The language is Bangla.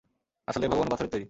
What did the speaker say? আসলে, ভগবানও পাথরের তৈরি।